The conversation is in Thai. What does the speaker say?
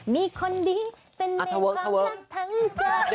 มีคนดีเป็นในความรักทั้งใจ